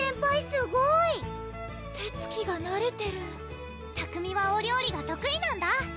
すごい！手つきがなれてる拓海はお料理が得意なんだ